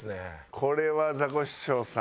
これはザコシショウさん。